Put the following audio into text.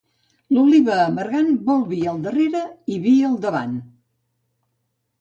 L'oliva amargant vol vi al darrere i vi al davant.